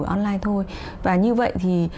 online thôi và như vậy thì